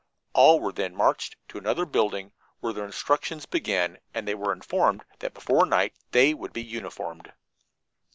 All were then marched to another building, where their instructions began, and they were informed that before night they would be uniformed.